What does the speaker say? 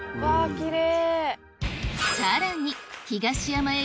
きれい。